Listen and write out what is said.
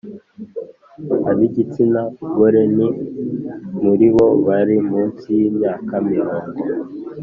Ab igitsina gore ni muri bo bari munsi y imyaka mirongo